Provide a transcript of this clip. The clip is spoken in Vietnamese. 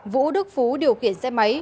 vũ đức phú điều khiển xe máy